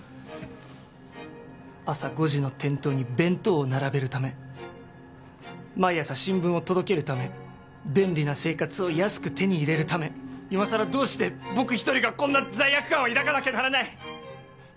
朝５時の店頭に弁当を並べるため毎朝新聞を届けるため便利な生活を安く手に入れるため今さらどうして僕一人がこんな罪悪感を抱かなきゃならない！